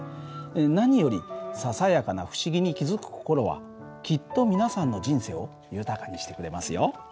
何よりささやかな不思議に気付く心はきっと皆さんの人生を豊かにしてくれますよ。